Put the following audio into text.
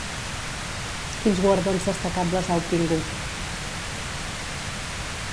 Quins guardons destacables ha obtingut?